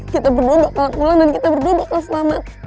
kita berdua bakalan pulang dan kita berdua bakalan selamat